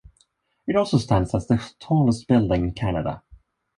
It also stands as the tallest building in Canada.